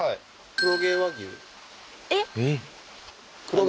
黒毛和牛？